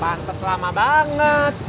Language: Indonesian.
pantes lama banget